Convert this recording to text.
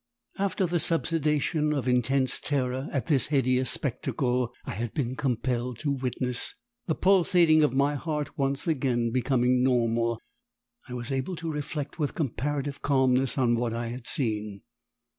After the subsidation of intense terror at this hideous spectacle I had been compelled to witness, the pulsating of my heart once again becoming normal, I was able to reflect with comparative calmness on what I had seen.